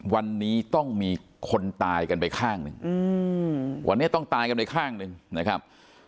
วันนี้ต้องมีคนตายกันไปข้างหนึ่งวันนี้ต้องตายกันไปข้างหนึ่งนะครับ